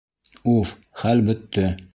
Уф, хәл бөттө.